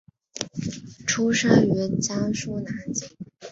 出生于江苏南京。